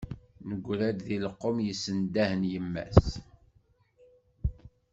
Negra-d di lqum, yessendahen yemma-s.